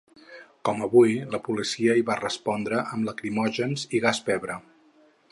Com avui, la policia hi va respondre amb lacrimògens i gas pebre.